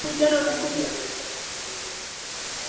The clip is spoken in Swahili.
o tunarudi pale pale kwenye majukumu kwamba